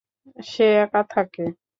সে একা থাকে।